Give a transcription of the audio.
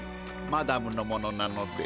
マダムのものなので。